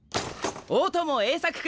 大友栄作君！